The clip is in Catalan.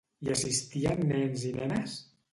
Hi assistien nens i nenes?